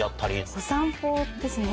お散歩ですね。